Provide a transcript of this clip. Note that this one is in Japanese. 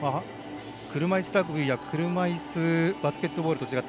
車いすラグビーや車いすバスケットボールとは違い